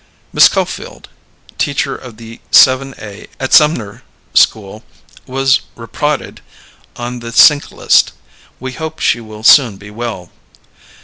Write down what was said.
MissColfield teacher of the 7A atSumner School was reproted on the sink list. We hope she will soon be well.